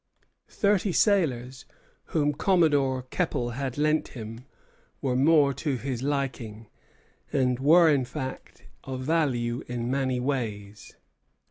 Thirty sailors, whom Commodore Keppel had lent him, were more to his liking, and were in fact of value in many ways.